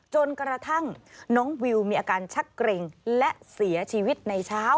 จนกระทั่งน้องวิวมีอาการชักเกร็งและเสียชีวิตในเช้า